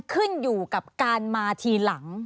ขึ้นอยู่กับการมาทีหลัง